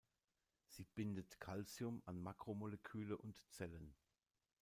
Sie bindet Calcium an Makromoleküle und Zellen.